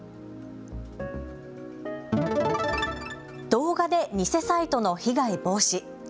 動画で偽サイトの被害防止。